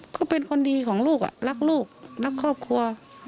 ก็เป็นคนดีของลูกรักลูกรักครอบครัว